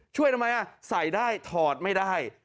ช่วยทำไมใส่ได้ถอดไม่ได้